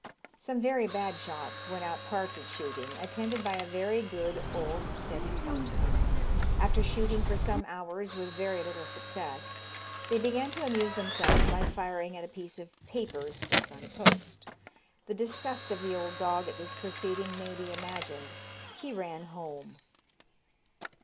Some very bad shots went out partridge shooting, attended by a very good, old, steady pointer. After shooting for some hours with very little success, they began to amuse themselves by firing at a piece of paper stuck on a post. The disgust of the old dog at this proceeding may be imagined he ran home.